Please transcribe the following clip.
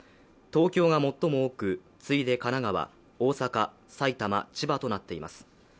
東京が最も多く、次いで神奈川、大阪、埼玉、千葉となっています。